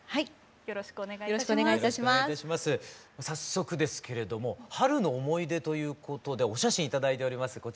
早速ですけれども春の思い出ということでお写真頂いております。